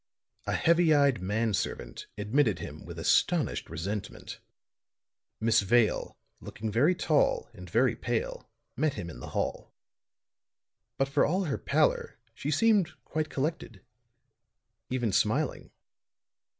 A heavy eyed man servant admitted him with astonished resentment. Miss Vale, looking very tall and very pale, met him in the hall. But for all her pallor she seemed quite collected, even smiling.